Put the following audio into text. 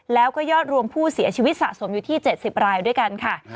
แล้วก็ยอดรวมผู้เสียชีวิตสะสมอยู่ที่๗๐รายด้วยกันค่ะ